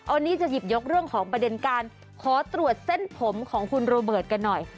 วันนี้จะหยิบยกเรื่องของประเด็นการขอตรวจเส้นผมของคุณโรเบิร์ตกันหน่อย